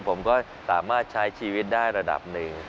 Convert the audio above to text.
ผมก็สามารถใช้ชีวิตได้ระดับหนึ่ง